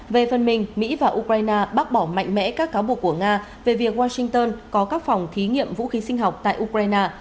về phần mình mỹ và ukraine bác bỏ mạnh mẽ các cáo buộc của nga về việc washington có các phòng thí nghiệm vũ khí sinh học tại ukraine